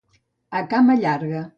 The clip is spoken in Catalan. A cama llarga.